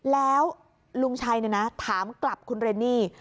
แล้วลุงชัยเนี่ยนะถามกลับคุณเรนนี่